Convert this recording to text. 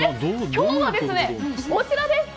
今日はこちらです。